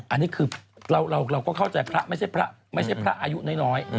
อันนี้คือเราก็เข้าใจพระไม่ใช่พระไม่ใช่พระอายุน้อย